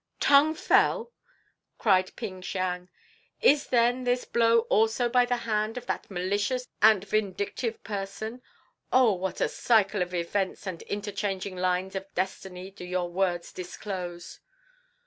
"Tung Fel!" cried Ping Siang. "Is, then, this blow also by the hand of that malicious and vindictive person? Oh, what a cycle of events and interchanging lines of destiny do your words disclose!"